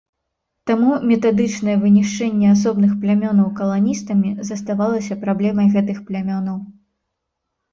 Таму метадычнае вынішчэнне асобных плямёнаў каланістамі заставалася праблемай гэтых плямёнаў.